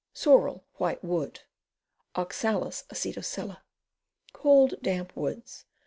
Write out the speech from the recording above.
Sorrel, White Wood. Oxalis Acetosella. Cold, damp woods.